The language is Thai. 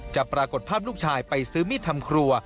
ปรากฏภาพลูกชายไปซื้อมีดทำครัว